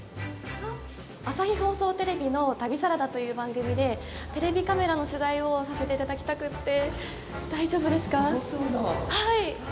朝日放送テレビの旅サラダという番組でテレビカメラの取材をさせていただきたくて。